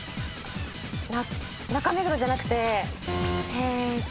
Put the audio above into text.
中目黒じゃなくて。